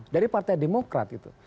dari partai demokrat gitu